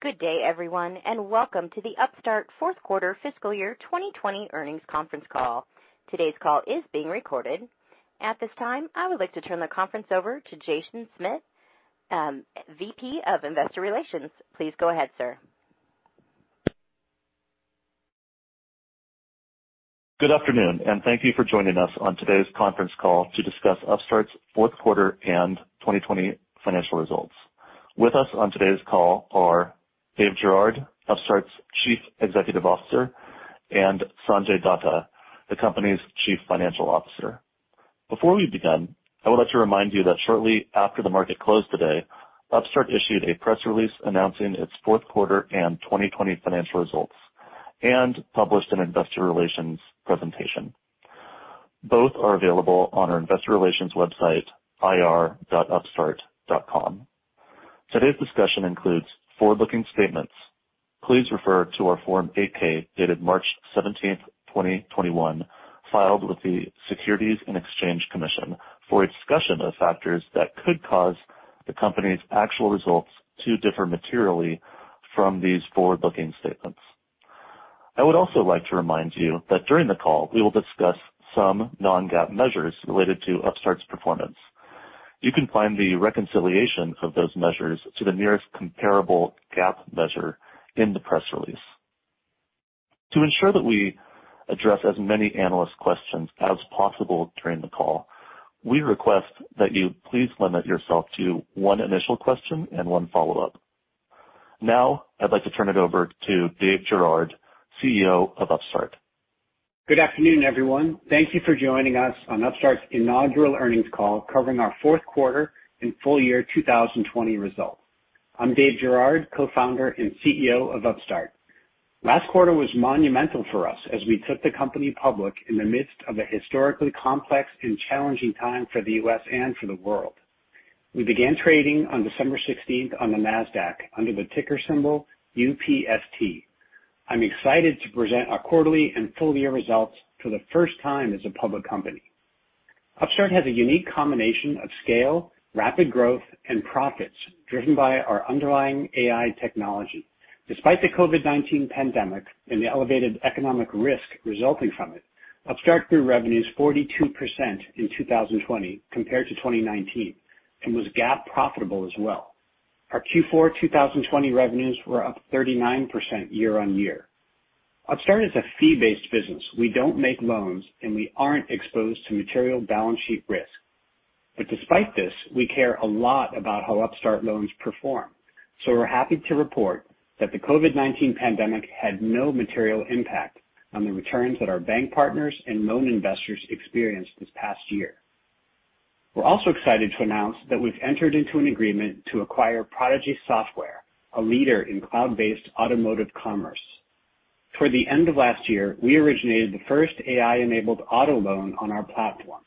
Good day, everyone. Welcome to the Upstart fourth quarter fiscal year 2020 earnings conference call. Today's call is being recorded. At this time, I would like to turn the conference over to Jason Schmidt, VP of Investor Relations. Please go ahead, sir. Good afternoon, and thank you for joining us on today's conference call to discuss Upstart's fourth quarter and 2020 financial results. With us on today's call are Dave Girouard, Upstart's Chief Executive Officer, and Sanjay Datta, the company's Chief Financial Officer. Before we begin, I would like to remind you that shortly after the market closed today, Upstart issued a press release announcing its fourth quarter and 2020 financial results and published an investor relations presentation. Both are available on our investor relations website, ir.upstart.com. Today's discussion includes forward-looking statements. Please refer to our Form 8-K, dated March 17th, 2021, filed with the Securities and Exchange Commission for a discussion of factors that could cause the company's actual results to differ materially from these forward-looking statements. I would also like to remind you that during the call, we will discuss some non-GAAP measures related to Upstart's performance. You can find the reconciliation of those measures to the nearest comparable GAAP measure in the press release. To ensure that we address as many analyst questions as possible during the call, we request that you please limit yourself to one initial question and one follow-up. Now I'd like to turn it over to Dave Girouard, CEO of Upstart. Good afternoon, everyone. Thank you for joining us on Upstart's inaugural earnings call covering our fourth quarter and full year 2020 results. I'm Dave Girouard, co-founder and CEO of Upstart. Last quarter was monumental for us as we took the company public in the midst of a historically complex and challenging time for the U.S. and for the world. We began trading on December 16th on the Nasdaq under the ticker symbol UPST. I'm excited to present our quarterly and full-year results for the first time as a public company. Upstart has a unique combination of scale, rapid growth, and profits driven by our underlying AI technology. Despite the COVID-19 pandemic and the elevated economic risk resulting from it, Upstart grew revenues 42% in 2020 compared to 2019 and was GAAP profitable as well. Our Q4 2020 revenues were up 39% year-on-year. Upstart is a fee-based business. We don't make loans, and we aren't exposed to material balance sheet risk. Despite this, we care a lot about how Upstart loans perform. We're happy to report that the COVID-19 pandemic had no material impact on the returns that our bank partners and loan investors experienced this past year. We're also excited to announce that we've entered into an agreement to acquire Prodigy Software, a leader in cloud-based automotive commerce. Toward the end of last year, we originated the first AI-enabled auto loan on our platform.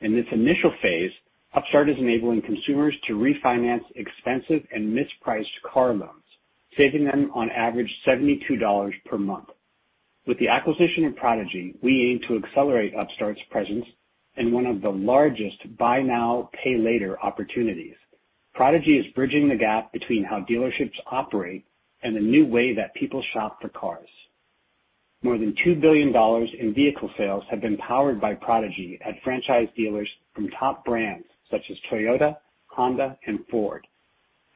In this initial phase, Upstart is enabling consumers to refinance expensive and mispriced car loans, saving them on average $72 per month. With the acquisition of Prodigy Software, we aim to accelerate Upstart's presence in one of the largest buy now, pay later opportunities. Prodigy Software is bridging the gap between how dealerships operate and the new way that people shop for cars. More than $2 billion in vehicle sales have been powered by Prodigy Software at franchise dealers from top brands such as Toyota, Honda, and Ford.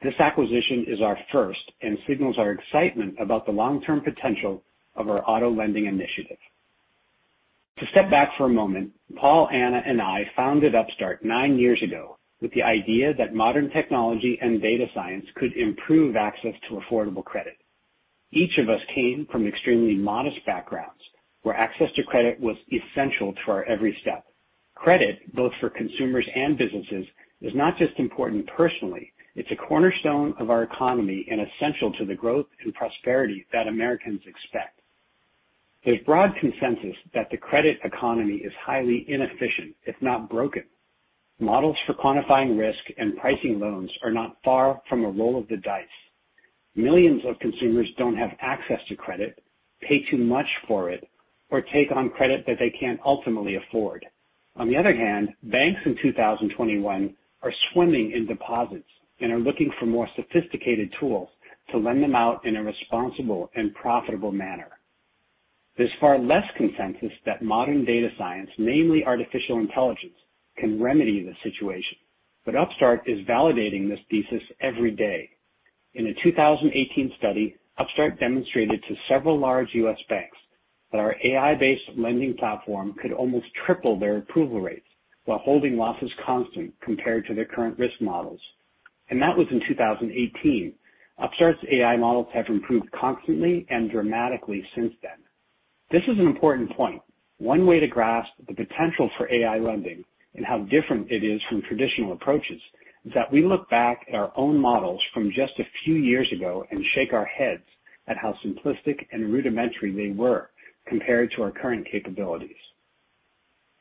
This acquisition is our first and signals our excitement about the long-term potential of our auto lending initiative. To step back for a moment, Paul Gu, Anna Counselman, and I founded Upstart nine years ago with the idea that modern technology and data science could improve access to affordable credit. Each of us came from extremely modest backgrounds where access to credit was essential to our every step. Credit, both for consumers and businesses, is not just important personally, it's a cornerstone of our economy and essential to the growth and prosperity that Americans expect. There's broad consensus that the credit economy is highly inefficient, if not broken. Models for quantifying risk and pricing loans are not far from a roll of the dice. Millions of consumers don't have access to credit, pay too much for it, or take on credit that they can't ultimately afford. On the other hand, banks in 2021 are swimming in deposits and are looking for more sophisticated tools to lend them out in a responsible and profitable manner. There's far less consensus that modern data science, namely artificial intelligence, can remedy the situation, but Upstart is validating this thesis every day. In a 2018 study, Upstart demonstrated to several large U.S. banks that our AI-based lending platform could almost triple their approval rates while holding losses constant compared to their current risk models. That was in 2018. Upstart's AI models have improved constantly and dramatically since then. This is an important point. One way to grasp the potential for AI lending and how different it is from traditional approaches is that we look back at our own models from just a few years ago and shake our heads at how simplistic and rudimentary they were compared to our current capabilities.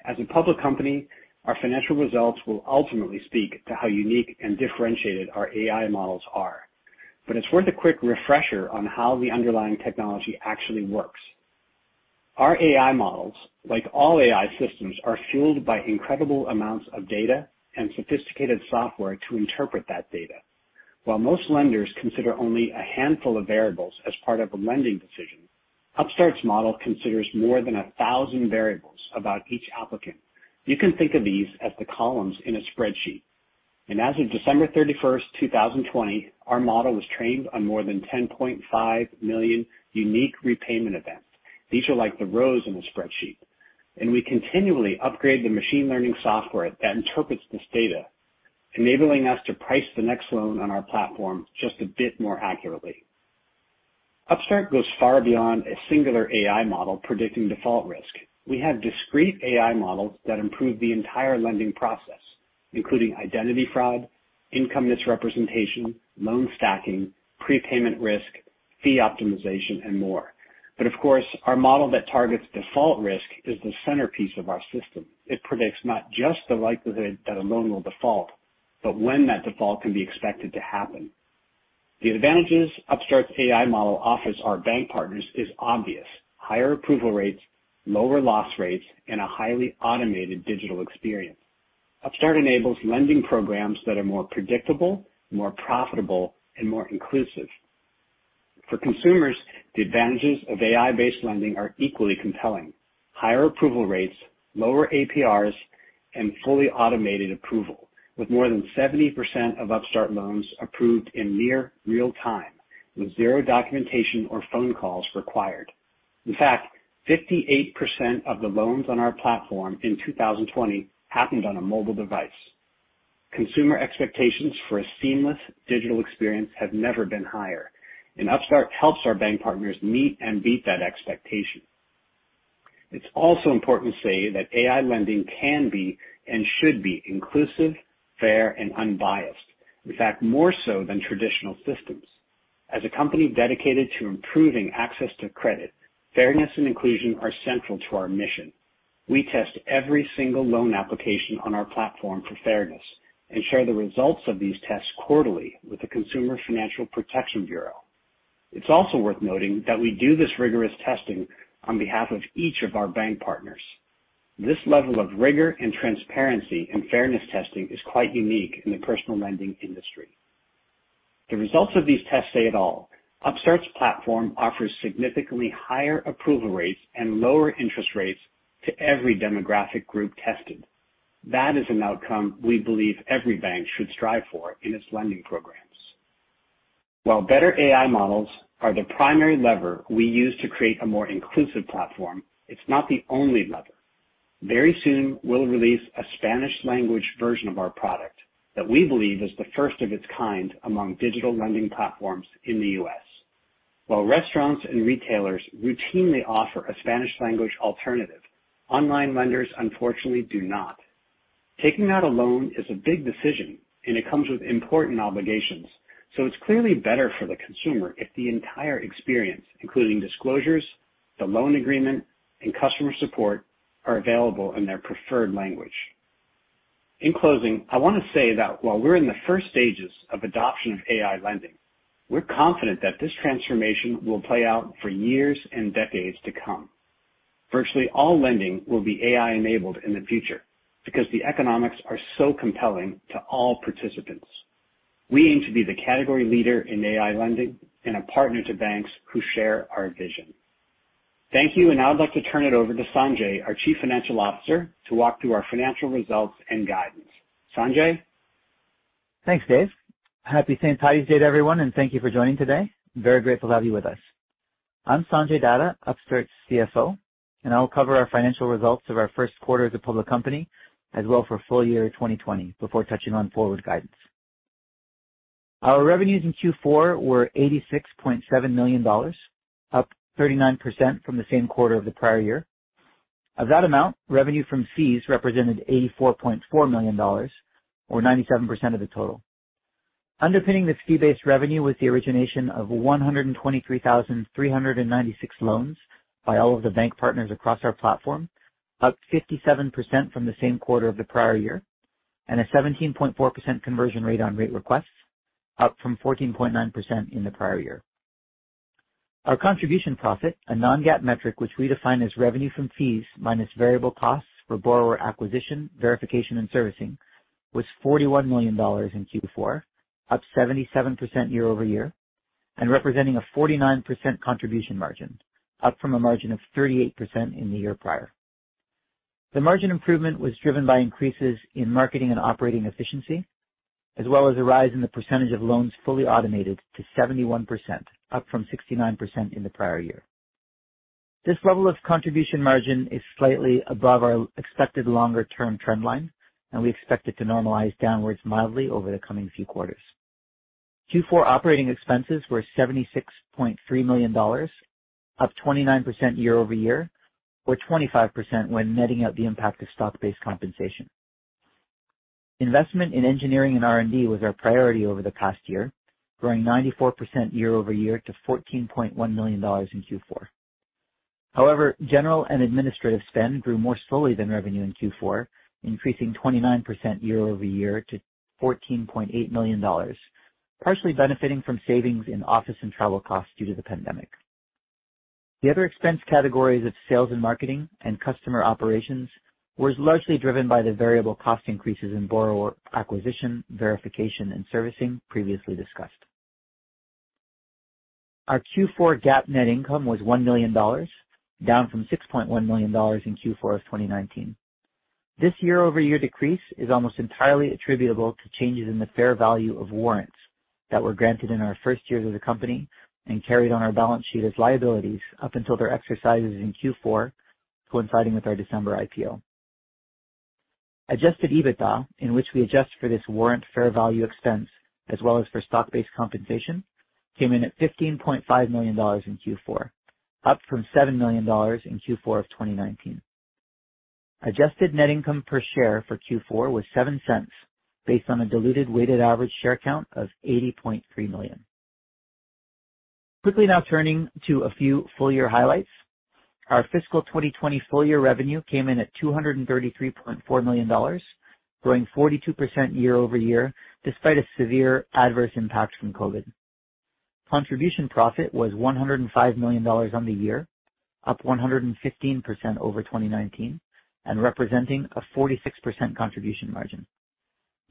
As a public company, our financial results will ultimately speak to how unique and differentiated our AI models are. It's worth a quick refresher on how the underlying technology actually works. Our AI models, like all AI systems, are fueled by incredible amounts of data and sophisticated software to interpret that data. While most lenders consider only a handful of variables as part of a lending decision, Upstart's model considers more than 1,000 variables about each applicant. You can think of these as the columns in a spreadsheet. As of December 31st, 2020, our model was trained on more than 10.5 million unique repayment events. These are like the rows in a spreadsheet, and we continually upgrade the machine learning software that interprets this data, enabling us to price the next loan on our platform just a bit more accurately. Upstart goes far beyond a singular AI model predicting default risk. We have discrete AI models that improve the entire lending process, including identity fraud, income misrepresentation, loan stacking, prepayment risk, fee optimization, and more. Of course, our model that targets default risk is the centerpiece of our system. It predicts not just the likelihood that a loan will default, but when that default can be expected to happen. The advantages Upstart's AI model offers our bank partners is obvious. Higher approval rates, lower loss rates, and a highly automated digital experience. Upstart enables lending programs that are more predictable, more profitable, and more inclusive. For consumers, the advantages of AI-based lending are equally compelling. Higher approval rates, lower APRs, and fully automated approval, with more than 70% of Upstart loans approved in near real time with zero documentation or phone calls required. In fact, 58% of the loans on our platform in 2020 happened on a mobile device. Consumer expectations for a seamless digital experience have never been higher, and Upstart helps our bank partners meet and beat that expectation. It's also important to say that AI lending can be and should be inclusive, fair, and unbiased. In fact, more so than traditional systems. As a company dedicated to improving access to credit, fairness and inclusion are central to our mission. We test every single loan application on our platform for fairness and share the results of these tests quarterly with the Consumer Financial Protection Bureau. It's also worth noting that we do this rigorous testing on behalf of each of our bank partners. This level of rigor and transparency in fairness testing is quite unique in the personal lending industry. The results of these tests say it all. Upstart's platform offers significantly higher approval rates and lower interest rates to every demographic group tested. That is an outcome we believe every bank should strive for in its lending programs. While better AI models are the primary lever we use to create a more inclusive platform, it's not the only lever. Very soon, we'll release a Spanish language version of our product that we believe is the first of its kind among digital lending platforms in the U.S. While restaurants and retailers routinely offer a Spanish language alternative, online lenders unfortunately do not. Taking out a loan is a big decision, and it comes with important obligations. It's clearly better for the consumer if the entire experience, including disclosures, the loan agreement, and customer support, are available in their preferred language. In closing, I want to say that while we're in the first stages of adoption of AI lending, we're confident that this transformation will play out for years and decades to come. Virtually all lending will be AI-enabled in the future because the economics are so compelling to all participants. We aim to be the category leader in AI lending and a partner to banks who share our vision. Thank you, and now I'd like to turn it over to Sanjay, our Chief Financial Officer, to walk through our financial results and guidance. Sanjay? Thanks, Dave. Happy St. Patrick's Day to everyone, thank you for joining today. Very grateful to have you with us. I'm Sanjay Datta, Upstart's CFO, I will cover our financial results of our first quarter as a public company, as well for full year 2020, before touching on forward guidance. Our revenues in Q4 were $86.7 million, up 39% from the same quarter of the prior year. Of that amount, revenue from fees represented $84.4 million, or 97% of the total. Underpinning this fee-based revenue was the origination of 123,396 loans by all of the bank partners across our platform, up 57% from the same quarter of the prior year, a 17.4% conversion rate on rate requests, up from 14.9% in the prior year. Our contribution profit, a non-GAAP metric which we define as revenue from fees minus variable costs for borrower acquisition, verification, and servicing, was $41 million in Q4, up 77% year-over-year, and representing a 49% contribution margin, up from a margin of 38% in the year prior. The margin improvement was driven by increases in marketing and operating efficiency, as well as a rise in the percentage of loans fully automated to 71%, up from 69% in the prior year. This level of contribution margin is slightly above our expected longer-term trend line, and we expect it to normalize downwards mildly over the coming few quarters. Q4 operating expenses were $76.3 million, up 29% year-over-year, or 25% when netting out the impact of stock-based compensation. Investment in engineering and R&D was our priority over the past year, growing 94% year-over-year to $14.1 million in Q4. General and administrative spend grew more slowly than revenue in Q4, increasing 29% year-over-year to $14.8 million. Partially benefiting from savings in office and travel costs due to the pandemic. The other expense categories of sales and marketing and customer operations was largely driven by the variable cost increases in borrower acquisition, verification, and servicing previously discussed. Our Q4 GAAP net income was $1 million, down from $6.1 million in Q4 of 2019. This year-over-year decrease is almost entirely attributable to changes in the fair value of warrants that were granted in our first year as a company and carried on our balance sheet as liabilities up until their exercises in Q4, coinciding with our December IPO. Adjusted EBITDA, in which we adjust for this warrant fair value expense as well as for stock-based compensation, came in at $15.5 million in Q4, up from $7 million in Q4 of 2019. Adjusted net income per share for Q4 was $0.07, based on a diluted weighted average share count of 80.3 million. Quickly now turning to a few full year highlights. Our fiscal 2020 full year revenue came in at $233.4 million, growing 42% year-over-year, despite a severe adverse impact from COVID. Contribution profit was $105 million on the year, up 115% over 2019 and representing a 46% contribution margin.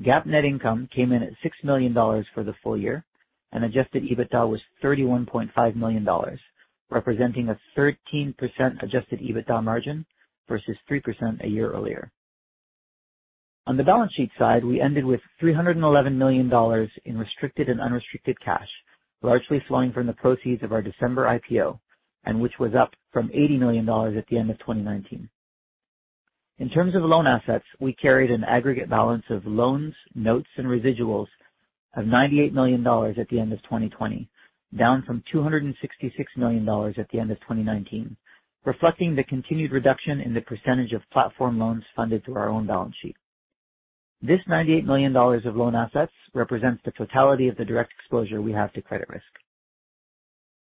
GAAP net income came in at $6 million for the full year, and adjusted EBITDA was $31.5 million, representing a 13% adjusted EBITDA margin versus 3% a year earlier. On the balance sheet side, we ended with $311 million in restricted and unrestricted cash, largely flowing from the proceeds of our December IPO and which was up from $80 million at the end of 2019. In terms of loan assets, we carried an aggregate balance of loans, notes, and residuals of $98 million at the end of 2020, down from $266 million at the end of 2019, reflecting the continued reduction in the percentage of platform loans funded through our own balance sheet. This $98 million of loan assets represents the totality of the direct exposure we have to credit risk.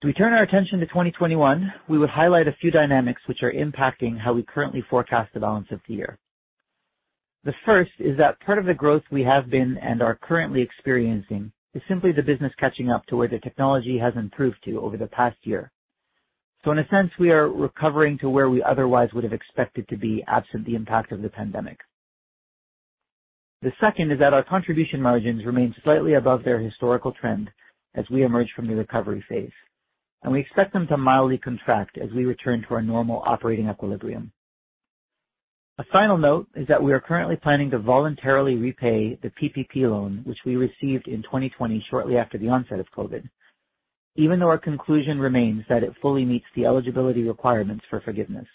As we turn our attention to 2021, we would highlight a few dynamics which are impacting how we currently forecast the balance of the year. The first is that part of the growth we have been and are currently experiencing is simply the business catching up to where the technology has improved to over the past year. In a sense, we are recovering to where we otherwise would have expected to be absent the impact of the pandemic. The second is that our contribution margins remain slightly above their historical trend as we emerge from the recovery phase, and we expect them to mildly contract as we return to our normal operating equilibrium. A final note is that we are currently planning to voluntarily repay the PPP loan, which we received in 2020, shortly after the onset of COVID, even though our conclusion remains that it fully meets the eligibility requirements for forgiveness.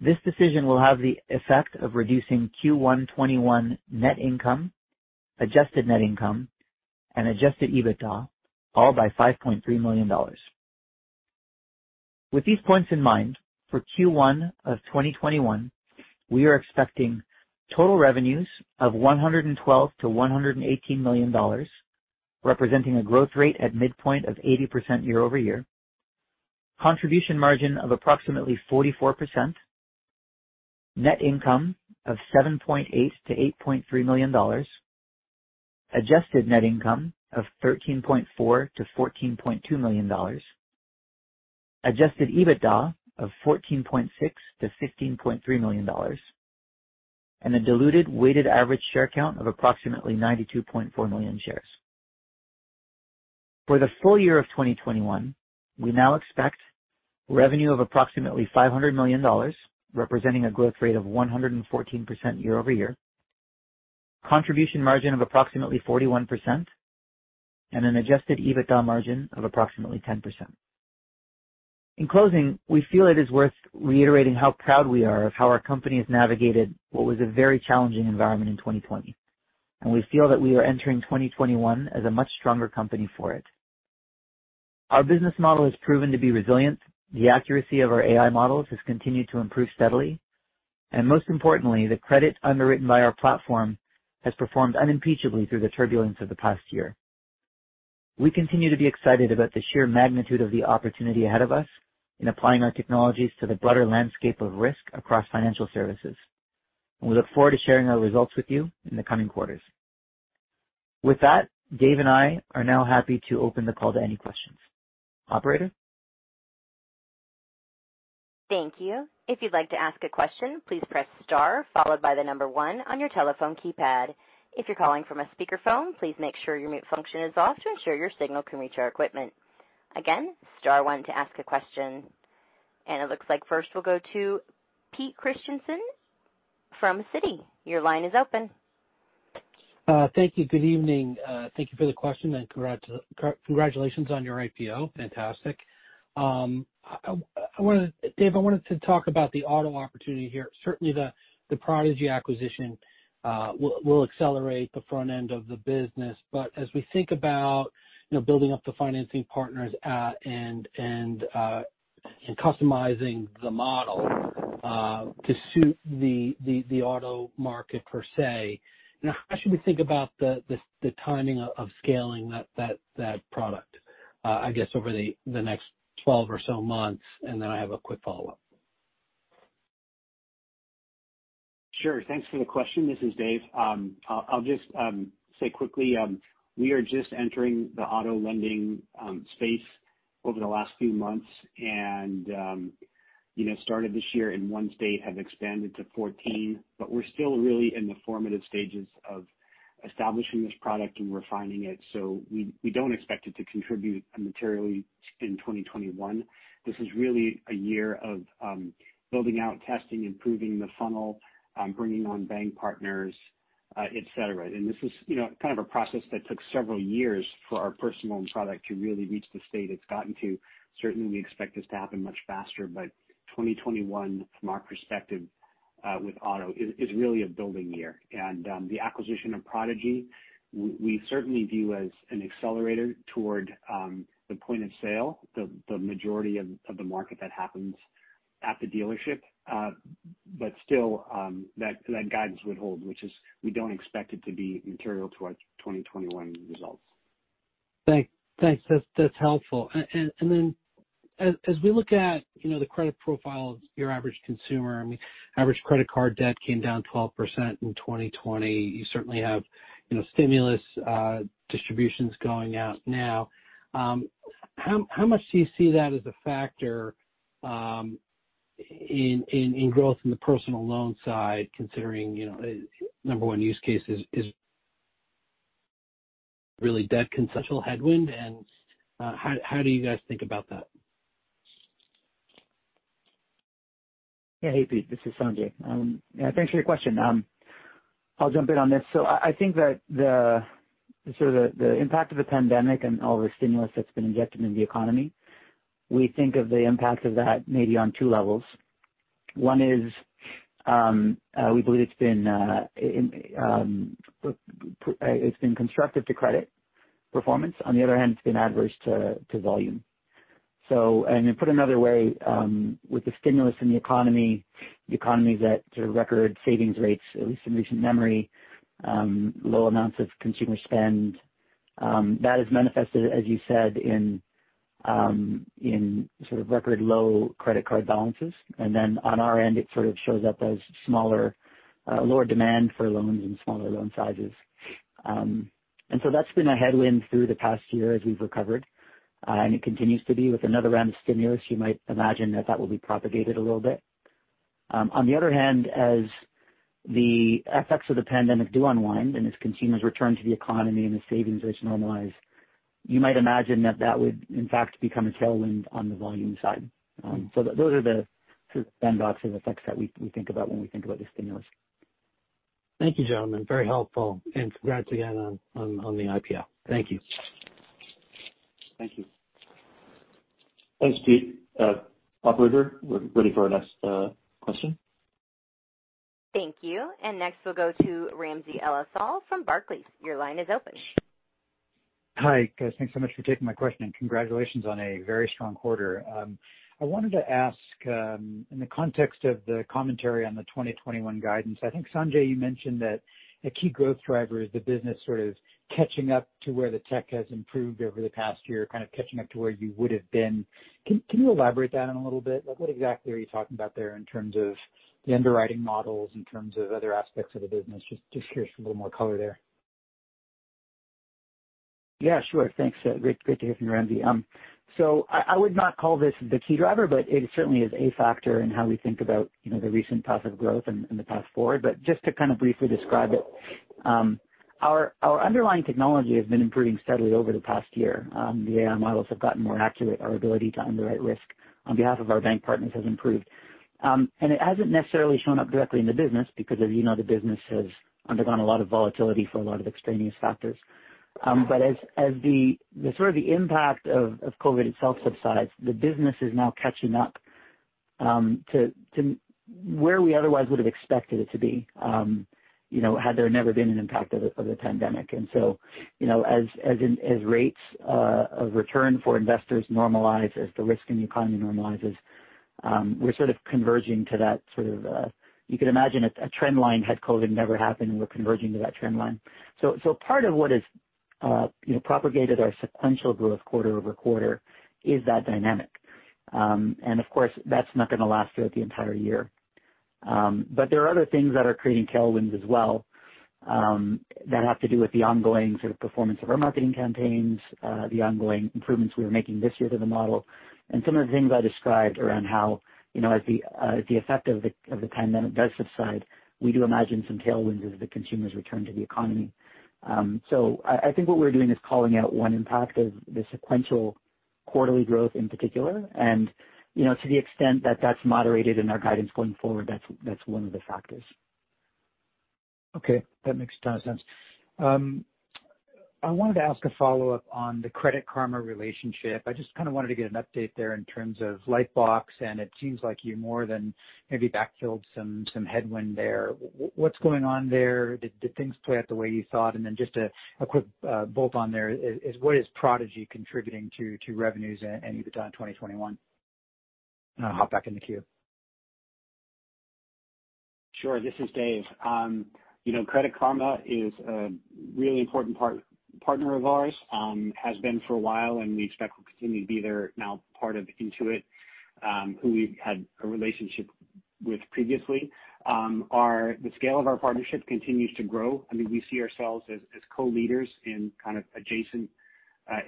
This decision will have the effect of reducing Q1 2021 net income, adjusted net income, and adjusted EBITDA, all by $5.3 million. With these points in mind, for Q1 2021, we are expecting total revenues of $112 million-$118 million, representing a growth rate at midpoint of 80% year-over-year. Contribution margin of approximately 44%. Net income of $7.8 million-$8.3 million. Adjusted net income of $13.4 million-$14.2 million. Adjusted EBITDA of $14.6 million-$15.3 million. A diluted weighted average share count of approximately 92.4 million shares. For the full year 2021, we now expect revenue of approximately $500 million, representing a growth rate of 114% year-over-year, contribution margin of approximately 41%, and an adjusted EBITDA margin of approximately 10%. In closing, we feel it is worth reiterating how proud we are of how our company has navigated what was a very challenging environment in 2020, and we feel that we are entering 2021 as a much stronger company for it. Our business model has proven to be resilient. The accuracy of our AI models has continued to improve steadily, and most importantly, the credit underwritten by our platform has performed unimpeachably through the turbulence of the past year. We continue to be excited about the sheer magnitude of the opportunity ahead of us in applying our technologies to the broader landscape of risk across financial services, and we look forward to sharing our results with you in the coming quarters. With that, Dave and I are now happy to open the call to any questions. Operator? Thank you. If you'd like to ask a question, please press star followed by the number one on your telephone keypad. If you're calling from a speakerphone, please make sure your mute function is off to ensure your signal can reach our equipment. Again, star one to ask a question. And it looks like first we'll go to Pete Christiansen from Citi. Your line is open. Thank you. Good evening. Thank you for the question and congratulations on your IPO. Fantastic. Dave, I wanted to talk about the auto opportunity here. Certainly, the Prodigy Software acquisition will accelerate the front end of the business. As we think about building up the financing partners and customizing the model to suit the auto market per se, how should we think about the timing of scaling that product, I guess over the next 12 or so months? Then I have a quick follow-up. Sure. Thanks for the question. This is Dave. I'll just say quickly, we are just entering the auto lending space over the last few months and started this year in one state, have expanded to 14. We're still really in the formative stages of establishing this product and refining it. We don't expect it to contribute materially in 2021. This is really a year of building out testing, improving the funnel, bringing on bank partners, et cetera. This is kind of a process that took several years for our personal loan product to really reach the state it's gotten to. Certainly, we expect this to happen much faster. 2021, from our perspective, with auto, is really a building year. The acquisition of Prodigy Software, we certainly view as an accelerator toward the point of sale, the majority of the market that happens at the dealership. Still, that guidance would hold, which is we don't expect it to be material to our 2021 results. Thanks. That's helpful. As we look at the credit profile of your average consumer, average credit card debt came down 12% in 2020. You certainly have stimulus distributions going out now. How much do you see that as a factor in growth in the personal loan side, considering number one use case is really debt consolidation headwind, and how do you guys think about that? Yeah. Hey, Pete, this is Sanjay. Yeah, thanks for your question. I'll jump in on this. I think that the impact of the pandemic and all the stimulus that's been injected in the economy, we think of the impact of that maybe on two levels. One is, we believe it's been constructive to credit performance. On the other hand, it's been adverse to volume. Put another way, with the stimulus in the economy, the economy is at sort of record savings rates, at least in recent memory, low amounts of consumer spend, that is manifested, as you said, in sort of record low credit card balances. On our end, it sort of shows up as lower demand for loans and smaller loan sizes. That's been a headwind through the past year as we've recovered. It continues to be. With another round of stimulus, you might imagine that that will be propagated a little bit. On the other hand, as the effects of the pandemic do unwind and as consumers return to the economy and the savings rates normalize, you might imagine that that would in fact become a tailwind on the volume side. Those are the sort of sandbox and effects that we think about when we think about the stimulus. Thank you, gentlemen. Very helpful, and congrats again on the IPO. Thank you. Thank you. Thanks, Pete. Operator, we're ready for our next question. Thank you. Next we'll go to Ramsey El-Assal from Barclays. Your line is open. Hi, guys. Thanks so much for taking my question, congratulations on a very strong quarter. I wanted to ask, in the context of the commentary on the 2021 guidance, I think, Sanjay, you mentioned that a key growth driver is the business sort of catching up to where the tech has improved over the past year, kind of catching up to where you would've been. Can you elaborate that in a little bit? What exactly are you talking about there in terms of the underwriting models, in terms of other aspects of the business? Just curious for a little more color there. Yeah, sure. Thanks. Great to hear from you, Ramsey. I would not call this the key driver, but it certainly is a factor in how we think about the recent path of growth and the path forward. Just to kind of briefly describe it, our underlying technology has been improving steadily over the past year. The AI models have gotten more accurate. Our ability to underwrite risk on behalf of our bank partners has improved. It hasn't necessarily shown up directly in the business because as you know, the business has undergone a lot of volatility for a lot of extraneous factors. As the sort of the impact of COVID itself subsides, the business is now catching up to where we otherwise would've expected it to be had there never been an impact of the pandemic. As rates of return for investors normalize, as the risk in the economy normalizes, we're sort of converging to that you could imagine a trend line had COVID-19 never happened, we're converging to that trend line. Part of what has propagated our sequential growth quarter-over-quarter is that dynamic. Of course, that's not going to last throughout the entire year. There are other things that are creating tailwinds as well, that have to do with the ongoing sort of performance of our marketing campaigns, the ongoing improvements we are making this year to the model. Some of the things I described around how as the effect of the pandemic does subside, we do imagine some tailwinds as the consumers return to the economy. I think what we're doing is calling out one impact of the sequential quarterly growth in particular. To the extent that that's moderated in our guidance going forward, that's one of the factors. Okay. That makes a ton of sense. I wanted to ask a follow-up on the Credit Karma relationship. I just kind of wanted to get an update there in terms of Lightbox, and it seems like you more than maybe backfilled some headwind there. What's going on there? Did things play out the way you thought? Just a quick bolt on there is, what is Prodigy Software contributing to revenues and EBITDA in 2021? I'll hop back in the queue. Sure. This is Dave. Credit Karma is a really important partner of ours has been for a while, and we expect will continue to be there now part of Intuit, who we've had a relationship with previously. The scale of our partnership continues to grow. We see ourselves as co-leaders in kind of adjacent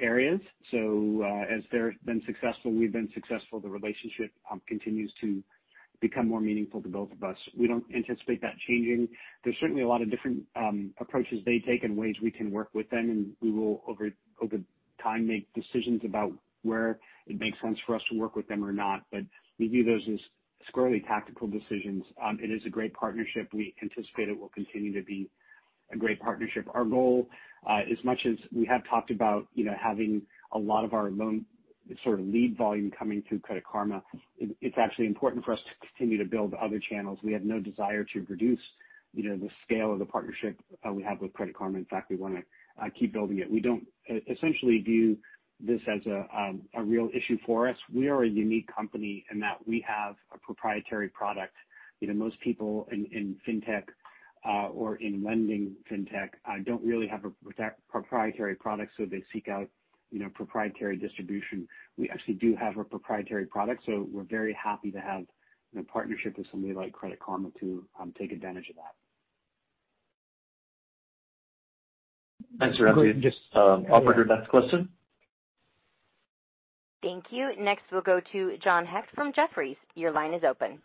areas. As they've been successful, we've been successful. The relationship continues to become more meaningful to both of us. We don't anticipate that changing. There's certainly a lot of different approaches they take and ways we can work with them, and we will, over time, make decisions about where it makes sense for us to work with them or not. We view those as squarely tactical decisions. It is a great partnership. We anticipate it will continue to be a great partnership. Our goal, as much as we have talked about having a lot of our loan sort of lead volume coming through Credit Karma, it's actually important for us to continue to build other channels. We have no desire to reduce the scale of the partnership we have with Credit Karma. In fact, we want to keep building it. We don't essentially view this as a real issue for us. We are a unique company in that we have a proprietary product. Most people in fintech or in lending fintech don't really have a proprietary product, so they seek out proprietary distribution. We actually do have a proprietary product, so we're very happy to have a partnership with somebody like Credit Karma to take advantage of that. Thanks, Ramsey. Operator, next question. Thank you. Next, we'll go to John Hecht from Jefferies. Your line is open.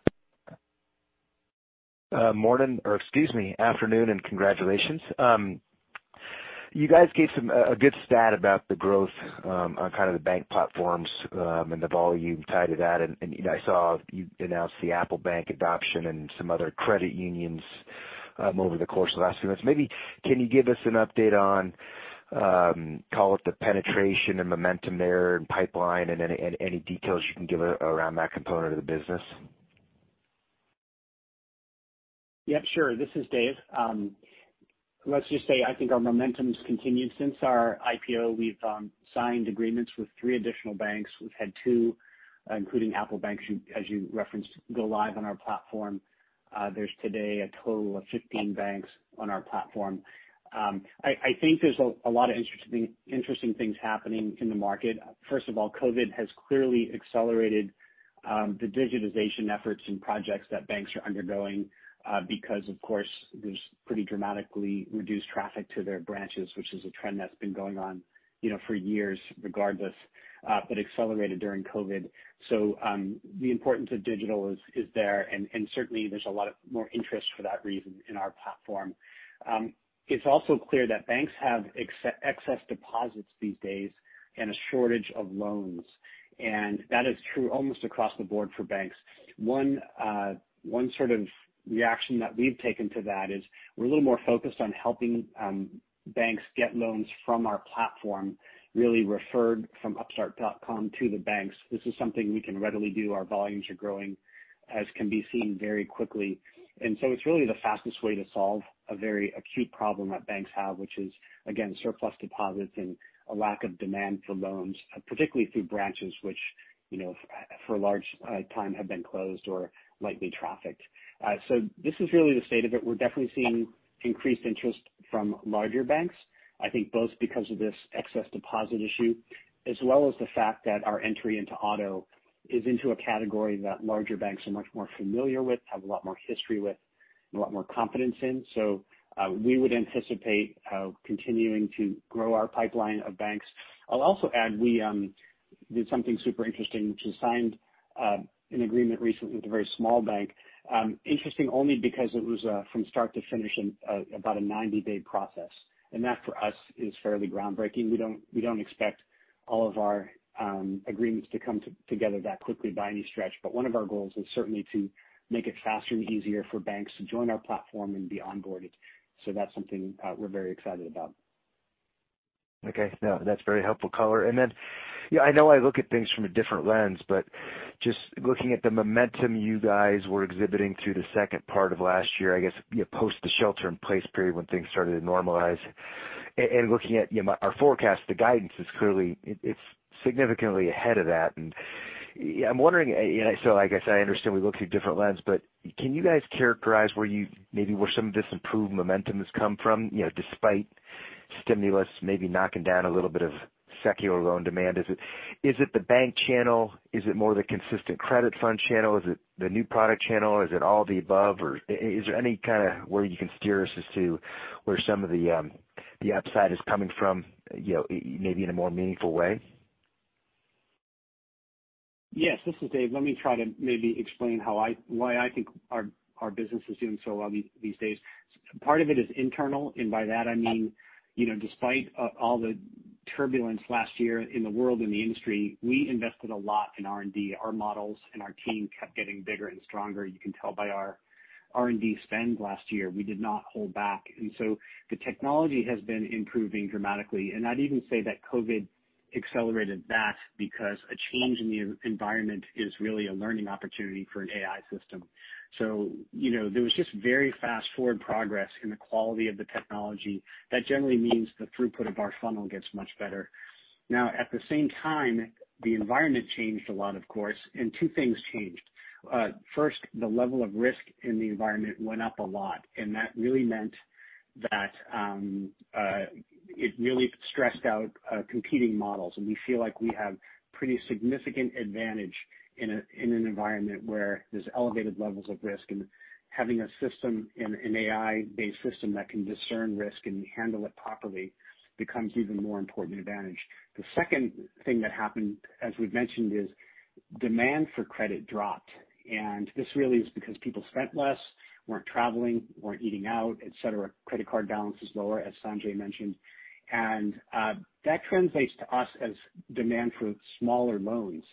Morning. Excuse me, afternoon, and congratulations. You guys gave a good stat about the growth on kind of the bank platforms and the volume tied to that, and I saw you announced the Apple Bank adoption and some other credit unions over the course of the last few months. Maybe can you give us an update on, call it the penetration and momentum there and pipeline and any details you can give around that component of the business? Yep, sure. This is Dave. Let's just say I think our momentum's continued since our IPO. We've signed agreements with three additional banks. We've had two, including Apple Bank, as you referenced, go live on our platform. There's today a total of 15 banks on our platform. I think there's a lot of interesting things happening in the market. First of all, COVID has clearly accelerated the digitization efforts and projects that banks are undergoing because, of course, there's pretty dramatically reduced traffic to their branches, which is a trend that's been going on for years regardless, but accelerated during COVID. The importance of digital is there, and certainly there's a lot of more interest for that reason in our platform. It's also clear that banks have excess deposits these days and a shortage of loans, and that is true almost across the board for banks. One sort of reaction that we've taken to that is we're a little more focused on helping banks get loans from our platform, really referred from upstart.com to the banks. This is something we can readily do. Our volumes are growing, as can be seen very quickly. It's really the fastest way to solve a very acute problem that banks have, which is, again, surplus deposits and a lack of demand for loans, particularly through branches which for a large time have been closed or lightly trafficked. This is really the state of it. We're definitely seeing increased interest from larger banks, I think both because of this excess deposit issue, as well as the fact that our entry into auto is into a category that larger banks are much more familiar with, have a lot more history with, and a lot more confidence in. We would anticipate continuing to grow our pipeline of banks. I'll also add we did something super interesting, which is signed an agreement recently with a very small bank. Interesting only because it was from start to finish about a 90-day process, and that for us is fairly groundbreaking. We don't expect all of our agreements to come together that quickly by any stretch. One of our goals is certainly to make it faster and easier for banks to join our platform and be onboarded. That's something we're very excited about. Okay. No, that's very helpful color. Then I know I look at things from a different lens, but just looking at the momentum you guys were exhibiting through the second part of last year, I guess post the shelter-in-place period when things started to normalize, looking at our forecast, the guidance is clearly significantly ahead of that. I'm wondering, I guess I understand we look through a different lens, but can you guys characterize maybe where some of this improved momentum has come from despite stimulus maybe knocking down a little bit of secular loan demand? Is it the bank channel? Is it more the consistent credit fund channel? Is it the new product channel? Is it all the above? Is there any kind of where you can steer us as to where some of the upside is coming from maybe in a more meaningful way? Yes, this is Dave. Let me try to maybe explain why I think our business is doing so well these days. Part of it is internal, and by that I mean despite all the turbulence last year in the world and the industry, we invested a lot in R&D. Our models and our team kept getting bigger and stronger. You can tell by our R&D spend last year, we did not hold back. The technology has been improving dramatically. I'd even say that COVID accelerated that because a change in the environment is really a learning opportunity for an AI system. There was just very fast forward progress in the quality of the technology. At the same time, the environment changed a lot, of course, and two things changed. First, the level of risk in the environment went up a lot, and that really meant that it really stressed out competing models, and we feel like we have pretty significant advantage in an environment where there's elevated levels of risk and having a system, an AI-based system that can discern risk and handle it properly becomes even more important advantage. The second thing that happened, as we've mentioned, is demand for credit dropped, and this really is because people spent less, weren't traveling, weren't eating out, et cetera. Credit card balance is lower, as Sanjay mentioned. That translates to us as demand for smaller loans.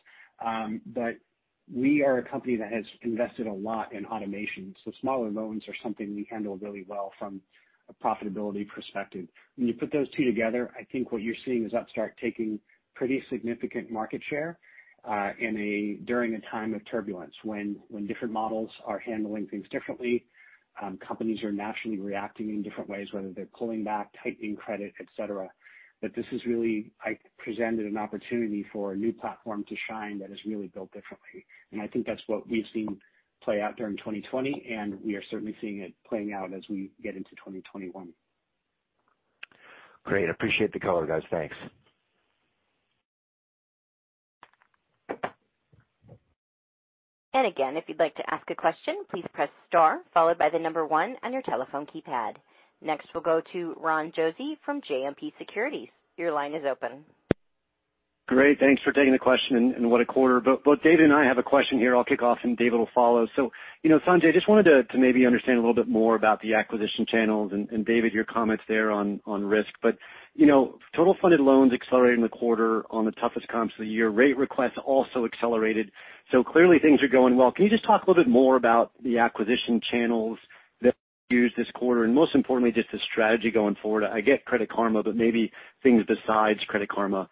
We are a company that has invested a lot in automation, so smaller loans are something we handle really well from a profitability perspective. When you put those two together, I think what you're seeing is Upstart taking pretty significant market share during a time of turbulence when different models are handling things differently. Companies are naturally reacting in different ways, whether they're pulling back, tightening credit, et cetera. This has really presented an opportunity for a new platform to shine that is really built differently. I think that's what we've seen play out during 2020, and we are certainly seeing it playing out as we get into 2021. Great. Appreciate the color, guys. Thanks. Again, if you'd like to ask a question, please press star followed by the number one on your telephone keypad. Next, we'll go to Ron Josey from JMP Securities. Your line is open. Great. Thanks for taking the question, what a quarter. Both Dave and I have a question here. I'll kick off, David will follow. Sanjay, just wanted to maybe understand a little bit more about the acquisition channels, and Dave, your comments there on risk. Total funded loans accelerated in the quarter on the toughest comps of the year. Rate requests also accelerated, so clearly things are going well. Can you just talk a little bit more about the acquisition channels that you used this quarter? Most importantly, just the strategy going forward. I get Credit Karma, maybe things besides Credit Karma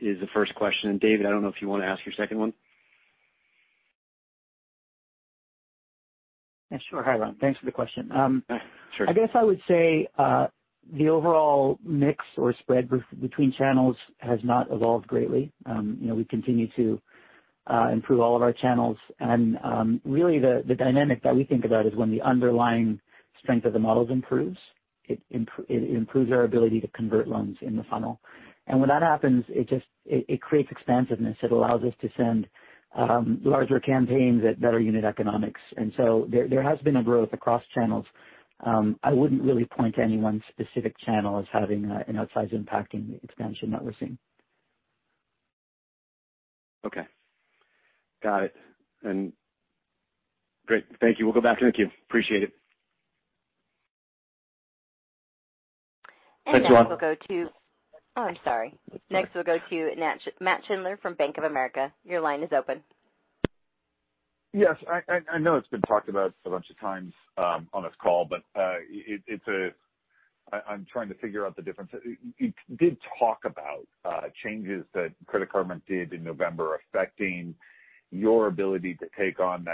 is the first question. David, I don't know if you want to ask your second one. Yeah, sure. Hi, Ron. Thanks for the question. Sure. I guess I would say the overall mix or spread between channels has not evolved greatly. We continue to improve all of our channels. Really the dynamic that we think about is when the underlying strength of the models improves, it improves our ability to convert loans in the funnel. When that happens, it creates expansiveness. It allows us to send larger campaigns at better unit economics. There has been a growth across channels. I wouldn't really point to any one specific channel as having an outsized impact in the expansion that we're seeing. Okay. Got it. Great. Thank you. We'll go back to the queue. Appreciate it. Now we'll go to. Thanks, Ron. Oh, I'm sorry. It's all right. Next, we'll go to Nat Schindler from Bank of America. Your line is open. Yes. I know it's been talked about a bunch of times on this call, but I'm trying to figure out the difference. You did talk about changes that Credit Karma did in November affecting your ability to take on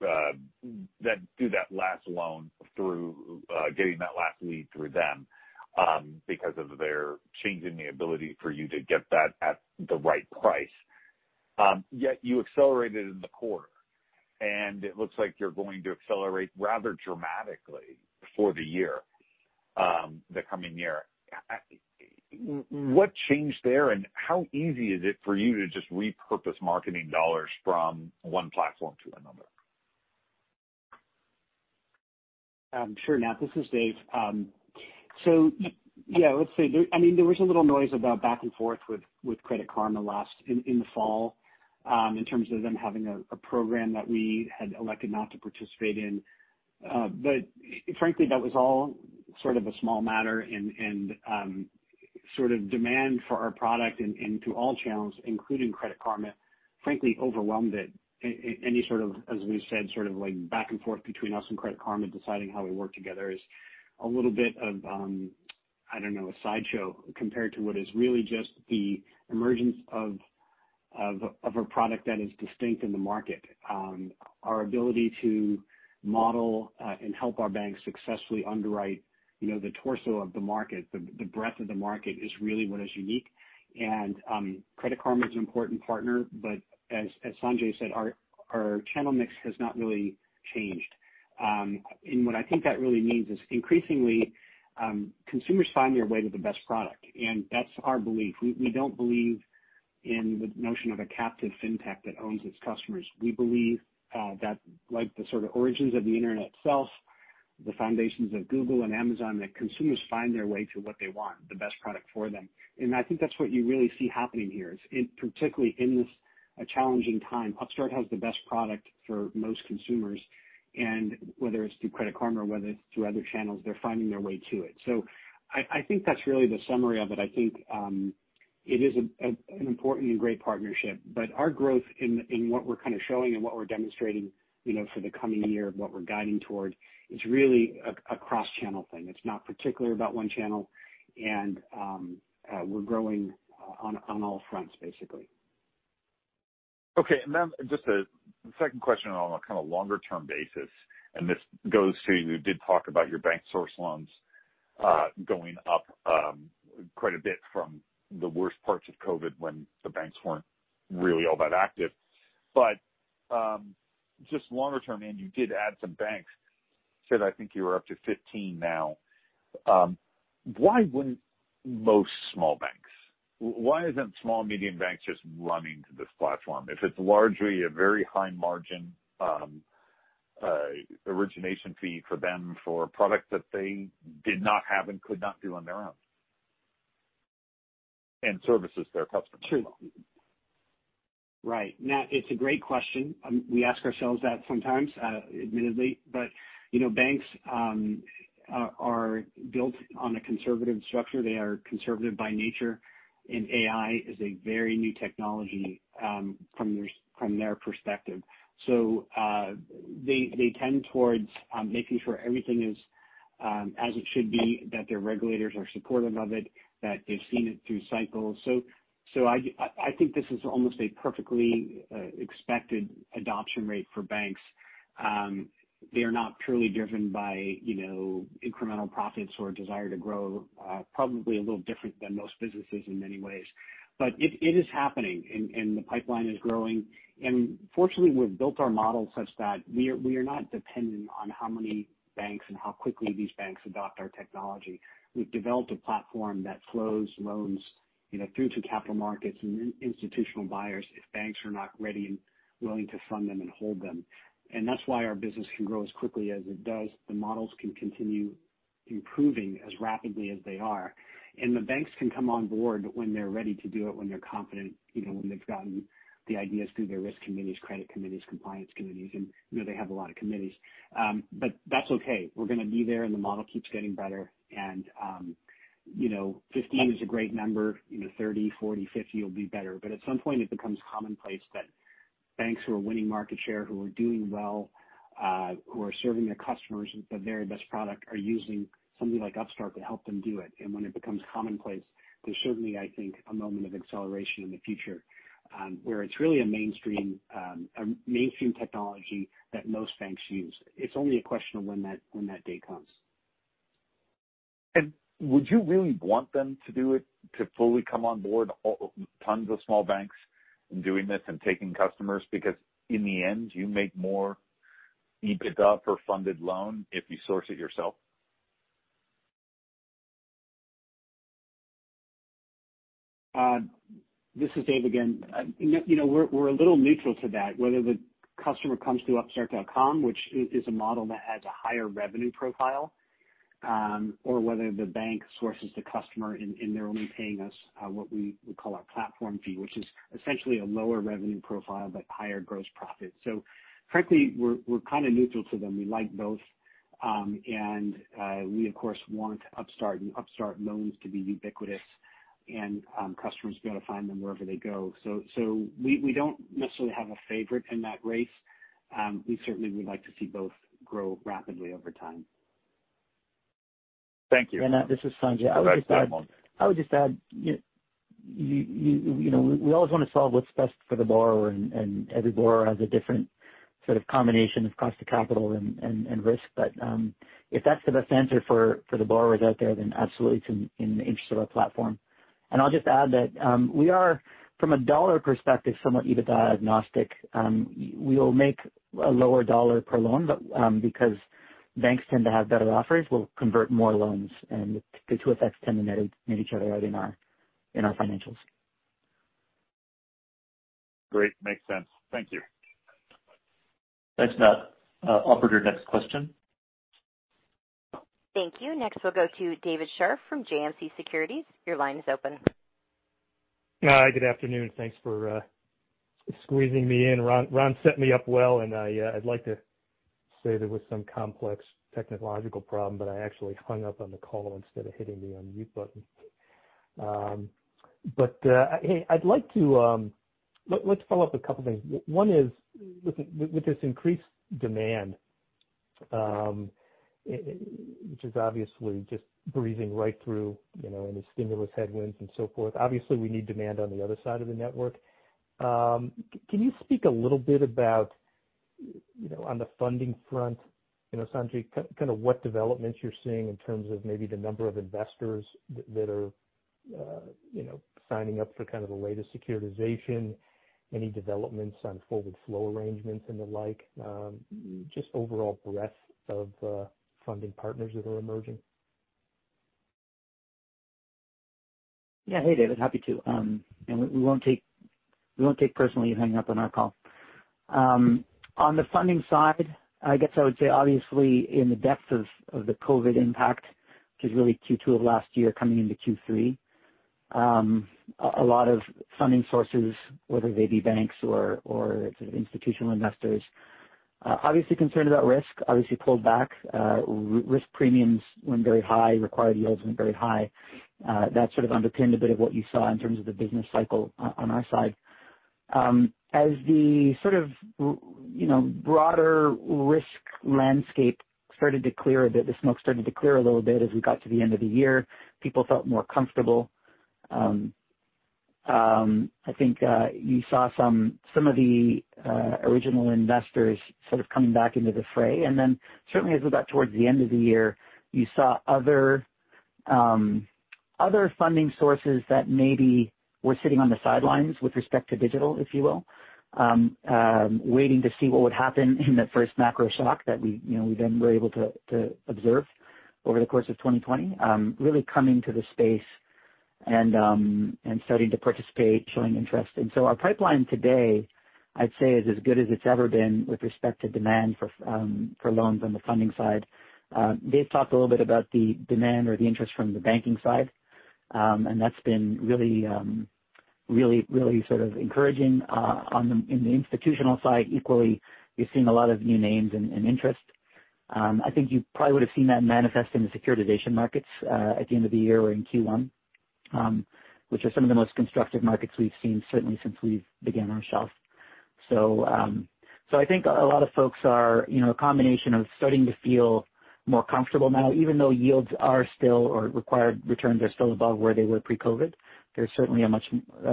that do that last loan through getting that last lead through them because of their changing the ability for you to get that at the right price. Yet you accelerated in the quarter, and it looks like you're going to accelerate rather dramatically for the year, the coming year. What changed there, and how easy is it for you to just repurpose marketing dollars from one platform to another? Sure, Nat, this is Dave. Yeah, let's see. There was a little noise about back and forth with Credit Karma in the fall in terms of them having a program that we had elected not to participate in. Frankly, that was all sort of a small matter and demand for our product and through all channels, including Credit Karma, frankly overwhelmed it. Any sort of, as we've said, back and forth between us and Credit Karma deciding how we work together is a little bit of, I don't know, a sideshow compared to what is really just the emergence of a product that is distinct in the market. Our ability to model and help our banks successfully underwrite the torso of the market, the breadth of the market is really what is unique. Credit Karma is an important partner, but as Sanjay said, our channel mix has not really changed. What I think that really means is increasingly, consumers find their way to the best product, and that's our belief. We don't believe in the notion of a captive fintech that owns its customers. We believe that the origins of the internet itself, the foundations of Google and Amazon, that consumers find their way to what they want, the best product for them. I think that's what you really see happening here is particularly in this challenging time, Upstart has the best product for most consumers, and whether it's through Credit Karma or whether it's through other channels, they're finding their way to it. I think that's really the summary of it. I think it is an important and great partnership, but our growth in what we're showing and what we're demonstrating for the coming year and what we're guiding toward is really a cross-channel thing. It's not particularly about one channel. We're growing on all fronts, basically. Okay. Just a second question on a kind of longer-term basis, this goes to you did talk about your bank source loans, going up quite a bit from the worst parts of COVID when the banks weren't really all that active. Just longer term, you did add some banks. Said, I think you were up to 15 now. Why wouldn't most small banks? Why isn't small medium banks just running to this platform if it's largely a very high margin origination fee for them for a product that they did not have and could not do on their own, and services their customers well? True. Right. Now, it's a great question. We ask ourselves that sometimes, admittedly. Banks are built on a conservative structure. They are conservative by nature, and AI is a very new technology from their perspective. They tend towards making sure everything is as it should be, that their regulators are supportive of it, that they've seen it through cycles. I think this is almost a perfectly expected adoption rate for banks. They are not purely driven by incremental profits or desire to grow, probably a little different than most businesses in many ways. It is happening, and the pipeline is growing. Fortunately, we've built our model such that we are not dependent on how many banks and how quickly these banks adopt our technology. We've developed a platform that flows loans through to capital markets and institutional buyers if banks are not ready and willing to fund them and hold them. That's why our business can grow as quickly as it does. The models can continue improving as rapidly as they are, and the banks can come on board when they're ready to do it, when they're confident, when they've gotten the ideas through their risk committees, credit committees, compliance committees, and they have a lot of committees. That's okay. We're going to be there, and the model keeps getting better. 15 is a great number. 30, 40, 50 will be better. At some point, it becomes commonplace that banks who are winning market share, who are doing well, who are serving their customers with the very best product, are using something like Upstart to help them do it. When it becomes commonplace, there's certainly, I think, a moment of acceleration in the future, where it's really a mainstream technology that most banks use. It's only a question of when that day comes. Would you really want them to do it, to fully come on board, tons of small banks in doing this and taking customers because in the end, you make more EBITDA per funded loan if you source it yourself? This is Dave again. We're a little neutral to that, whether the customer comes through upstart.com, which is a model that has a higher revenue profile, or whether the bank sources the customer, and they're only paying us what we would call our platform fee, which is essentially a lower revenue profile, but higher gross profit. Frankly, we're kind of neutral to them. We like both. We of course, want Upstart and Upstart loans to be ubiquitous and customers to be able to find them wherever they go. We don't necessarily have a favorite in that race. We certainly would like to see both grow rapidly over time. Thank you. This is Sanjay. I would just add, we always want to solve what's best for the borrower, and every borrower has a different sort of combination of cost of capital and risk. If that's the best answer for the borrowers out there, then absolutely it's in the interest of our platform. I'll just add that we are, from a dollar perspective, somewhat EBITDA agnostic. We will make a lower dollar per loan, but because banks tend to have better offers, we'll convert more loans, and the two effects tend to net each other out in our financials. Great. Makes sense. Thank you. Thanks, Nat. Operator, next question. Thank you. Next, we'll go to David Scharf from JMP Securities. Hi, good afternoon. Thanks for squeezing me in. Ron set me up well. I'd like to say there was some complex technological problem. I actually hung up on the call instead of hitting the unmute button. Hey, I'd like to follow up a couple things. One is with this increased demand, which is obviously just breezing right through any stimulus headwinds and so forth. Obviously, we need demand on the other side of the network. Can you speak a little bit about on the funding front, Sanjay, kind of what developments you're seeing in terms of maybe the number of investors that are signing up for kind of the latest securitization, any developments on forward flow arrangements and the like? Just overall breadth of funding partners that are emerging. Yeah. Hey, David. Happy to. We won't take personally you hanging up on our call. On the funding side, I guess I would say obviously in the depths of the COVID-19 impact, which is really Q2 of last year coming into Q3. A lot of funding sources, whether they be banks or institutional investors obviously concerned about risk, obviously pulled back. Risk premiums went very high, required yields went very high. That sort of underpinned a bit of what you saw in terms of the business cycle on our side. As the sort of broader risk landscape started to clear a bit, the smoke started to clear a little bit as we got to the end of the year. People felt more comfortable. I think you saw some of the original investors sort of coming back into the fray, and then certainly as we got towards the end of the year, you saw other funding sources that maybe were sitting on the sidelines with respect to digital, if you will, waiting to see what would happen in that first macro shock that we then were able to observe over the course of 2020 really coming to the space and starting to participate, showing interest. Our pipeline today, I'd say, is as good as it's ever been with respect to demand for loans on the funding side. Dave talked a little bit about the demand or the interest from the banking side. That's been really sort of encouraging in the institutional side equally, we've seen a lot of new names and interest. I think you probably would've seen that manifest in the securitization markets at the end of the year or in Q1, which are some of the most constructive markets we've seen certainly since we've began ourselves. I think a lot of folks are a combination of starting to feel more comfortable now, even though yields are still or required returns are still above where they were pre-COVID. There's certainly a much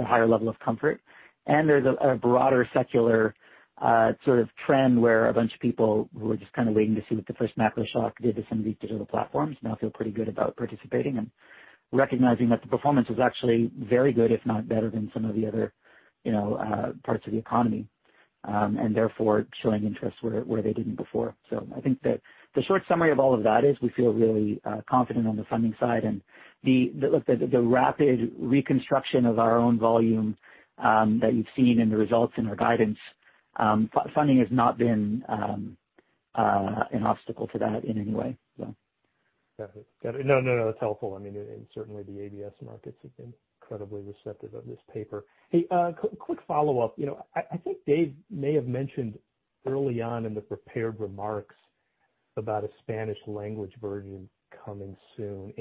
higher level of comfort, and there's a broader secular sort of trend where a bunch of people who are just kind of waiting to see what the first macro shock did to some of these digital platforms now feel pretty good about participating and recognizing that the performance was actually very good, if not better than some of the other parts of the economy, and therefore showing interest where they didn't before. I think that the short summary of all of that is we feel really confident on the funding side and the rapid reconstruction of our own volume that you've seen in the results in our guidance. Funding has not been an obstacle to that in any way. Got it. No, that's helpful. I mean, certainly the ABS markets have been incredibly receptive of this paper. Hey, quick follow-up. I think Dave may have mentioned early on in the prepared remarks about a Spanish language version coming soon.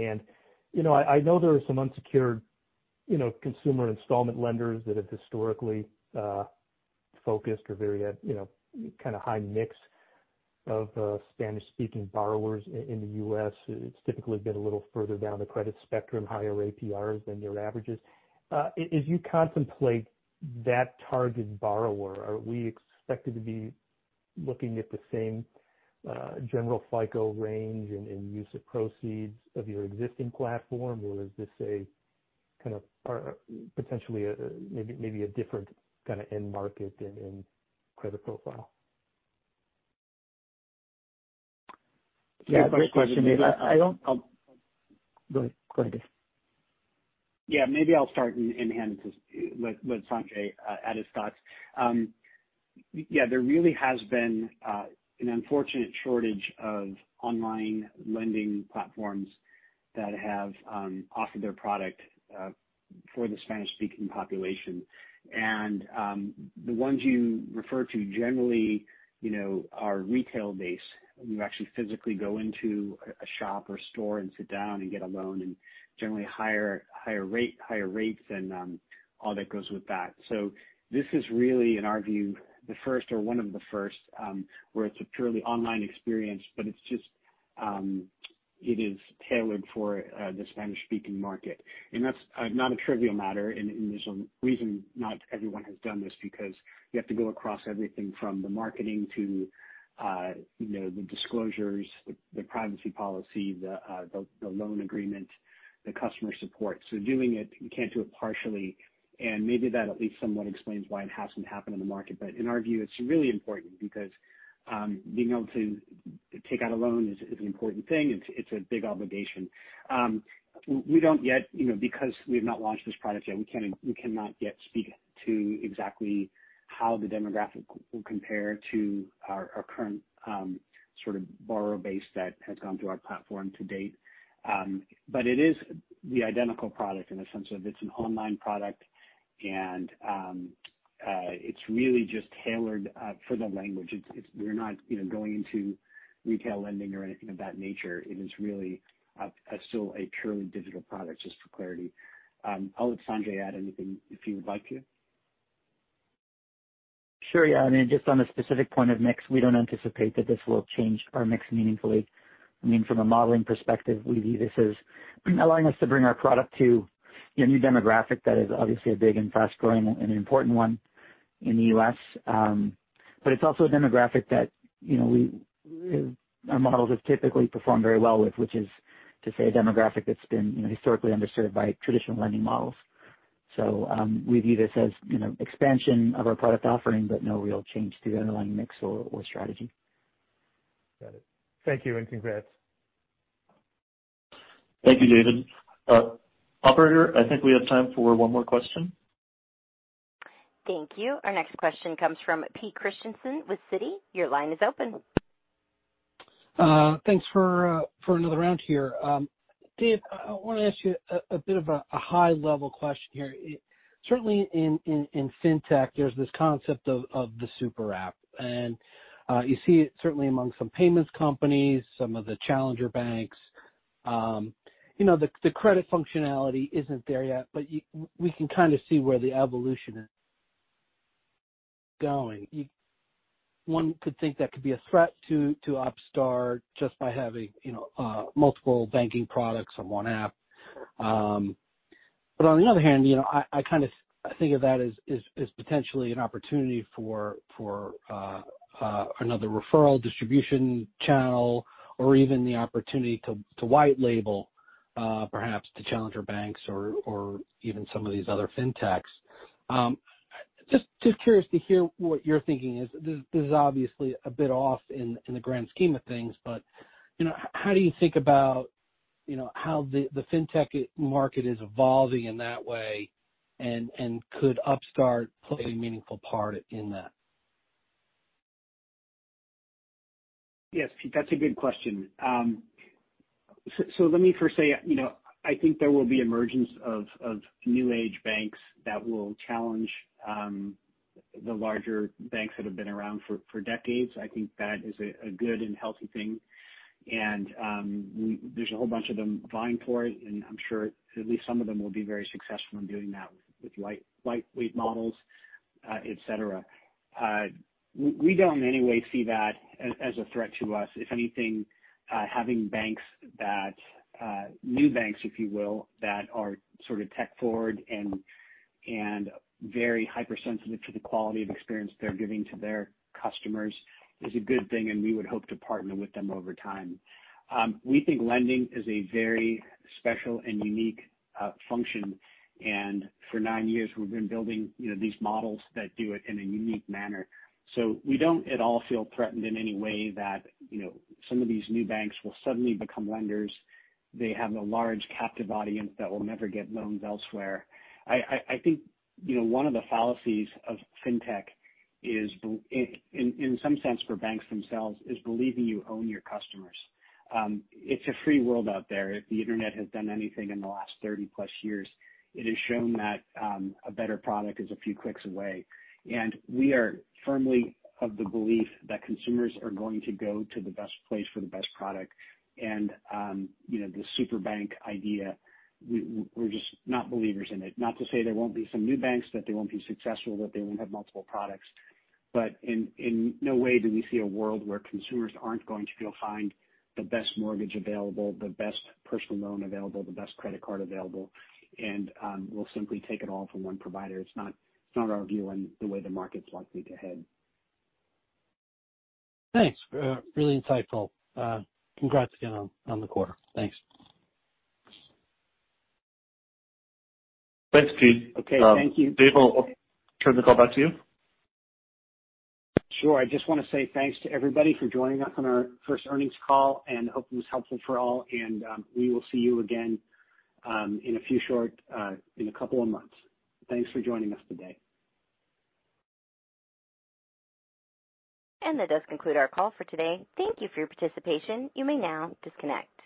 I know there are some unsecured consumer installment lenders that have historically focused or very kind of high mix of Spanish-speaking borrowers in the U.S. It's typically been a little further down the credit spectrum, higher APRs than your averages. As you contemplate that target borrower, are we expected to be looking at the same general FICO range and use of proceeds of your existing platform, or is this a kind of potentially maybe a different kind of end market and credit profile? Yeah, great question. Dave, Go ahead. Yeah. Maybe I'll start and hand this with Sanjay, add his thoughts. Yeah, there really has been an unfortunate shortage of online lending platforms that have offered their product for the Spanish-speaking population. The ones you refer to generally are retail-based. You actually physically go into a shop or store and sit down and get a loan and generally higher rates and all that goes with that. This is really, in our view, the first or one of the first where it's a purely online experience, but it is tailored for the Spanish-speaking market. That's not a trivial matter and there's a reason not everyone has done this because you have to go across everything from the marketing to the disclosures, the privacy policy, the loan agreement, the customer support. Doing it, you can't do it partially, and maybe that at least somewhat explains why it hasn't happened in the market. In our view, it's really important because being able to take out a loan is an important thing. It's a big obligation. Because we have not launched this product yet, we cannot yet speak to exactly how the demographic will compare to our current sort of borrower base that has gone through our platform to date. It is the identical product in the sense of it's an online product and it's really just tailored for the language. We're not going into retail lending or anything of that nature. It is really still a purely digital product, just for clarity. I'll let Sanjay add anything if you would like to. Sure. Yeah. I mean, just on the specific point of mix, we don't anticipate that this will change our mix meaningfully. I mean, from a modeling perspective, we view this as allowing us to bring our product to a new demographic that is obviously a big and fast-growing and important one in the U.S. It's also a demographic that our models have typically performed very well with, which is to say a demographic that's been historically underserved by traditional lending models. We view this as expansion of our product offering, but no real change to the underlying mix or strategy. Got it. Thank you, and congrats. Thank you, David. Operator, I think we have time for one more question. Thank you. Our next question comes from Pete Christiansen with Citi. Your line is open. Thanks for another round here. Dave, I want to ask you a bit of a high-level question here. Certainly in fintech, there's this concept of the super app, and you see it certainly among some payments companies, some of the challenger banks. The credit functionality isn't there yet, but we can kind of see where the evolution is going. One could think that could be a threat to Upstart just by having multiple banking products on one app. But on the other hand, I think of that as potentially an opportunity for another referral distribution channel or even the opportunity to white label perhaps to challenger banks or even some of these other fintechs. Just curious to hear what your thinking is. This is obviously a bit off in the grand scheme of things, but how do you think about how the fintech market is evolving in that way, and could Upstart play a meaningful part in that? Yes, Pete, that's a good question. Let me first say, I think there will be emergence of new age banks that will challenge the larger banks that have been around for decades. I think that is a good and healthy thing, and there's a whole bunch of them vying for it, and I'm sure at least some of them will be very successful in doing that with lightweight models, et cetera. We don't in any way see that as a threat to us. If anything, having new banks, if you will, that are sort of tech forward and very hypersensitive to the quality of experience they're giving to their customers is a good thing, and we would hope to partner with them over time. We think lending is a very special and unique function. For nine years we've been building these models that do it in a unique manner. We don't at all feel threatened in any way that some of these new banks will suddenly become lenders. They have a large captive audience that will never get loans elsewhere. I think one of the fallacies of fintech is in some sense for banks themselves, is believing you own your customers. It's a free world out there. If the internet has done anything in the last 30+ years, it has shown that a better product is a few clicks away. We are firmly of the belief that consumers are going to go to the best place for the best product. The super bank idea, we're just not believers in it. Not to say there won't be some new banks, that they won't be successful, that they won't have multiple products, but in no way do we see a world where consumers aren't going to go find the best mortgage available, the best personal loan available, the best credit card available, and will simply take it all from one provider. It's not our view on the way the market's likely to head. Thanks. Really insightful. Congrats again on the quarter. Thanks. Thanks, Pete. Okay, thank you. Dave, I'll turn the call back to you. Sure. I just want to say thanks to everybody for joining us on our first earnings call, and hope it was helpful for all. We will see you again in a couple of months. Thanks for joining us today. And that does conclude our call for today. Thank you for your participation. You may now disconnect.